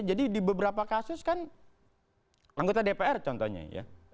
jadi di beberapa kasus kan anggota dpr contohnya ya